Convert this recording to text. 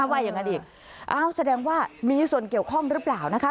ว่าอย่างนั้นอีกอ้าวแสดงว่ามีส่วนเกี่ยวข้องหรือเปล่านะคะ